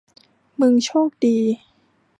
มึงโชคดี